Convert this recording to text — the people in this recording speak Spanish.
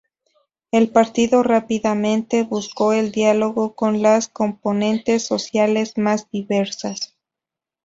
El partido rápidamente buscó el diálogo con las componentes sociales más diversas.